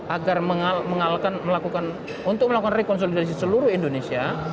agar untuk melakukan rekonsolidasi seluruh indonesia